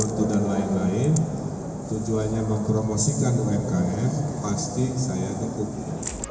dan lain lain tujuannya mempromosikan umkm pasti saya ke publik